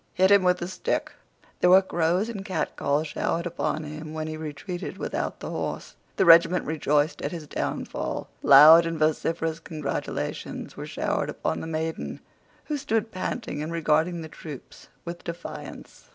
"Hit him with a stick." There were crows and catcalls showered upon him when he retreated without the horse. The regiment rejoiced at his downfall. Loud and vociferous congratulations were showered upon the maiden, who stood panting and regarding the troops with defiance.